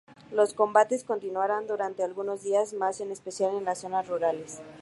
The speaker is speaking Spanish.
Los combates continuarían durante algunos días más, en especial en las zonas rurales.